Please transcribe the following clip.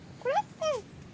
うん。